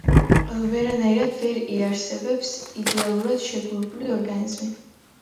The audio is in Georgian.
ვერანაირად ვერ იარსებებს იდეალურად შეგუებული ორგანიზმი.